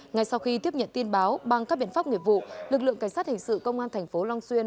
ngay sau khi tiếp nhận tin báo bằng các biện pháp nghiệp vụ lực lượng cảnh sát hình sự công an thành phố long xuyên